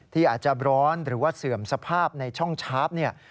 ที่อาจจะร้อนหรือว่าเสื่อมสภาพในช่องชาร์ฟเนี่ย